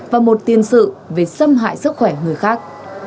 và một tiền sự về xâm hại sức khỏe người khác